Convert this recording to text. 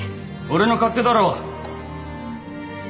俺の勝手だろ。